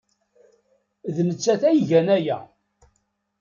D nettat ay igan aya.